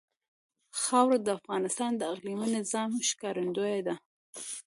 خاوره د افغانستان د اقلیمي نظام ښکارندوی ده.